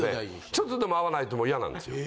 ちょっとでも合わないともう嫌なんですよ。